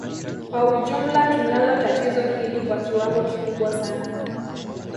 Kwa ujumla tunalo tatizo hili kwa kiwango kikubwa sana